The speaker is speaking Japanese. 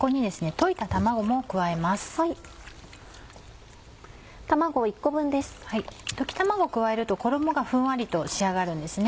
溶き卵を加えると衣がふんわりと仕上がるんですね。